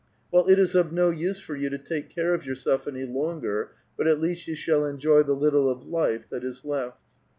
" Well, it is of no use for you to take care of yourself any longer, but at least you shall enjoy the little of life that is left."